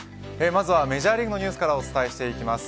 まずはメジャーリーグのニュースからお伝えしていきます。